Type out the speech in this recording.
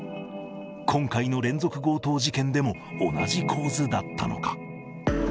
今回の連続強盗事件でも、同じ構図だったのか。